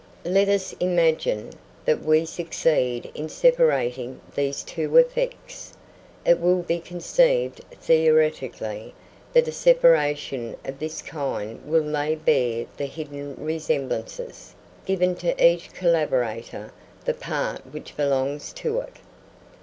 Let us imagine that we succeed in separating these two effects. It will be conceived, theoretically, that a separation of this kind will lay bare the hidden resemblances, giving to each collaborator the part which belongs to it.